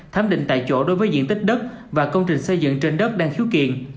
thám định tại chỗ đối với diện tích đất và công trình xây dựng trên đất đang khiếu kiện